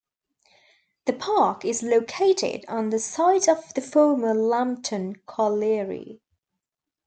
The Park is located on the site of the former Lambton Colliery.